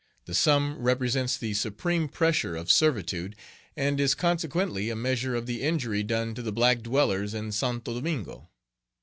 The sum represents the supreme pressure of servitude, and is consequently a measure of the injury done to the black dwellers in Saint Domingo.